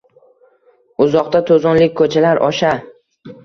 Uzoqda, to’zonli ko’chalar osha